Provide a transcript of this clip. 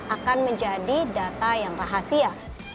akan menjadi data yang rahasia